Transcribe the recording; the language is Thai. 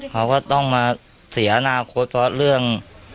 เขาก็ต้องมาเสียอนาคตเพราะเรื่อง